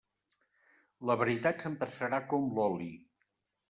La veritat sempre serà com l'oli.